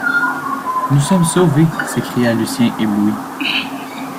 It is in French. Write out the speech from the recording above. Nous sommes sauvés! s’écria Lucien ébloui.